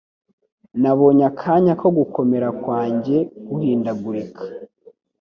Nabonye akanya ko gukomera kwanjye guhindagurika,